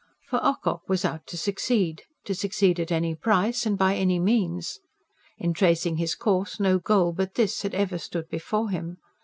For Ocock was out to succeed to succeed at any price and by any means. In tracing his course, no goal but this had ever stood before him.